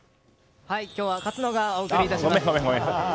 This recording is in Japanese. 今日は勝野がお送りします。